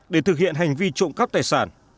để thực hiện hành vi trộm cắp tài sản